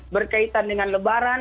berkaitan dengan lebaran